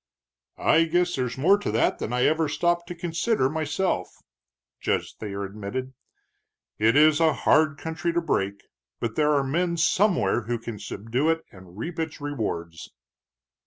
"I guess there's more to that than I ever stopped to consider myself," Judge Thayer admitted. "It is a hard country to break, but there are men somewhere who can subdue it and reap its rewards."